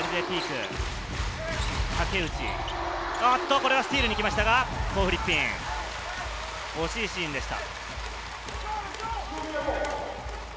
これはスティールに行きましたが、コー・フリッピン、惜しいシーンでした。